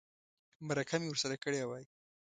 مرکه مې ورسره کړې وای.